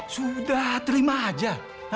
sudah terima aja